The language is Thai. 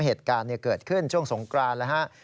เหตุการณ์เกิดขึ้นช่วงสงกราณ